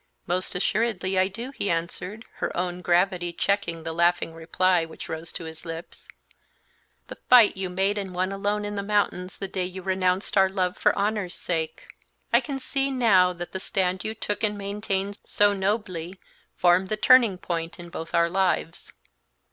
"Most assuredly I do," he answered, her own gravity checking the laughing reply which rose to his lips. "The fight you made and won alone in the mountains the day that you renounced our love for honor's sake. I can see now that the stand you took and maintained so nobly formed the turning point in both our lives.